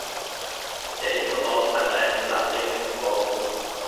Der Innenraum hat eine Flachdecke mit Vouten.